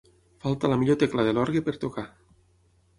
Faltar la millor tecla de l'orgue per tocar.